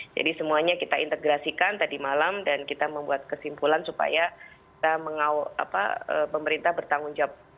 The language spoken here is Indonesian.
jadi semuanya kita integrasikan tadi malam dan kita membuat kesimpulan supaya pemerintah bertanggung jawab